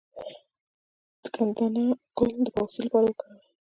د ګندنه ګل د بواسیر لپاره وکاروئ